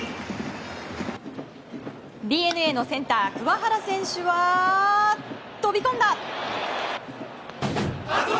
ＤｅＮＡのセンター、桑原選手は飛び込んだ！